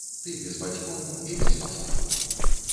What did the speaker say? Ты без бацькоў і без пасагу.